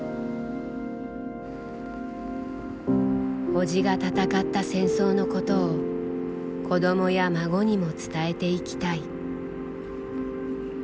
伯父が戦った戦争のことを子どもや孫にも伝えていきたい。